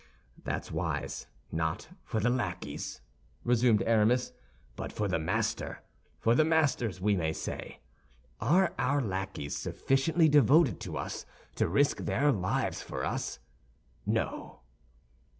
"That's wise—not for the lackeys," resumed Aramis, "but for the master—for the masters, we may say. Are our lackeys sufficiently devoted to us to risk their lives for us? No."